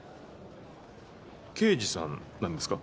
刑事さんなんですか？